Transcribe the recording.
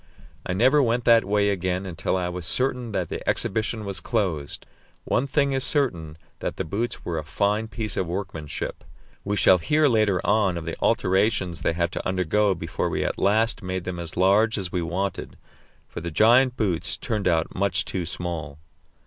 I never went that way again until I was certain that the exhibition was closed. One thing is certain, that the boots were a fine piece of workmanship. We shall hear later on of the alterations they had to undergo before we at last made them as large as we wanted, for the giant boots turned out much too small!